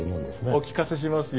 お聴かせしますよ